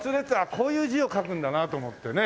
こういう字を書くんだなと思ってね。